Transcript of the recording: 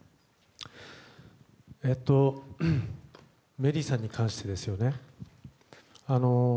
メリーさんに関してですよね。